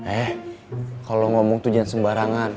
eh kalau lo ngomong tuh jangan sembarangan